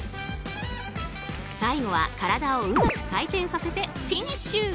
最後は体をうまく回転させてフィニッシュ。